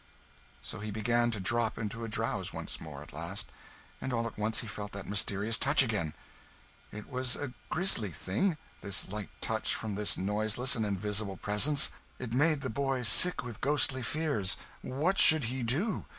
So he began to drop into a drowse once more, at last; and all at once he felt that mysterious touch again! It was a grisly thing, this light touch from this noiseless and invisible presence; it made the boy sick with ghostly fears. What should he do?